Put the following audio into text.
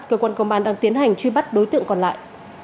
cơ quan công an đang tiến hành truy bắt đối tượng còn lại